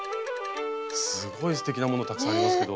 すごいすてきなものたくさんありますけど。